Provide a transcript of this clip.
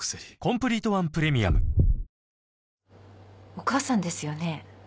お母さんですよね。